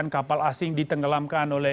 kapal asing ditenggelamkan oleh